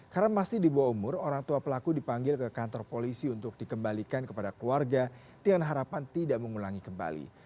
karena masih di bawah umur orang tua pelaku dipanggil ke kantor polisi untuk dikembalikan kepada keluarga dengan harapan tidak mengulangi kembali